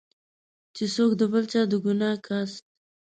چې څوک د بل چا د ګناه کسات.